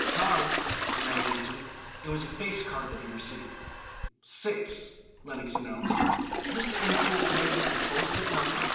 "Card," the man answered. It was a face card that he received. "Six," Lenox announced. Mr. Incoul's neighbor could boast of nothing.